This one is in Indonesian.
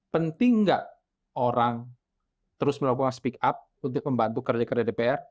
penting nggak orang terus melakukan speak up untuk membantu kerja kerja dpr